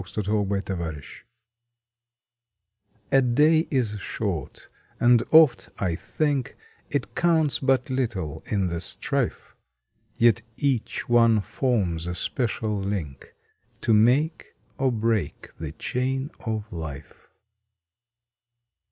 May Twenty fourth THE LINK A DAY is short, and oft I think It counts but little in the strife, Yet each one forms a special link To make or break the chain of life.